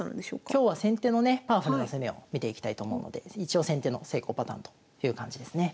今日は先手のねパワフルな攻めを見ていきたいと思うので一応先手の成功パターンという感じですね。